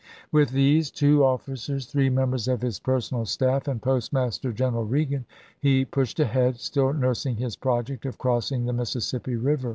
With these, two officers, three members of his personal staff, and Postmaster General Reagan, he pushed ahead, still nursing his project of crossing the Missis sippi River.